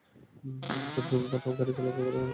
আমাদের ড্রোন পাঠাও, গাড়িকে লক্ষ করো, থামুন থামুন!